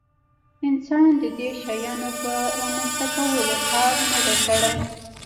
انسان د دې شیانو په رامنځته کولو کار نه دی کړی.